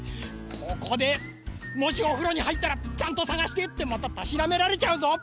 ここでもしおふろにはいったら「ちゃんとさがして」ってまたたしなめられちゃうぞ！